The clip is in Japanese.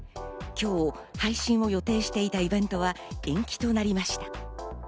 今日配信を予定していたイベントは延期となりました。